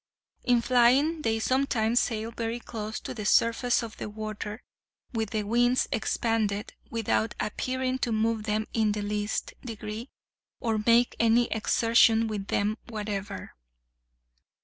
In flying they sometimes sail very close to the surface of the water, with the wings expanded, without appearing to move them in the least degree, or make any exertion with them whatever.